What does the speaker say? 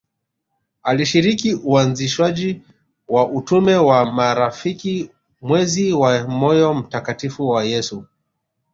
Alishiriki uanzishwaji wa utume wa marafiki mwezi wa moyo mtakatifu wa Yesu